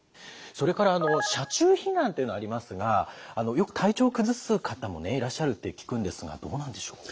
それからあの車中避難というのありますがよく体調を崩す方もねいらっしゃるって聞くんですがどうなんでしょう。